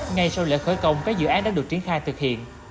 ngay sau lễ khởi công các dự án đã được triển khai thực hiện